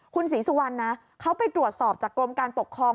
คุณศรีสุวรรณนะเขาไปตรวจสอบจากกรมการปกครอง